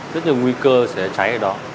rất nhiều nguy cơ sẽ cháy ở đó